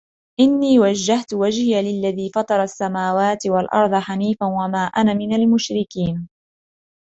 إِنِّي وَجَّهْتُ وَجْهِيَ لِلَّذِي فَطَرَ السَّمَاوَاتِ وَالْأَرْضَ حَنِيفًا وَمَا أَنَا مِنَ الْمُشْرِكِينَ